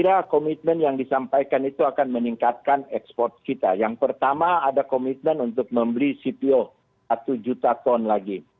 saya kira komitmen yang disampaikan itu akan meningkatkan ekspor kita yang pertama ada komitmen untuk membeli cpo satu juta ton lagi